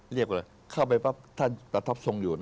เรียกละเข้าไปภาพท่านประทบทรงนึง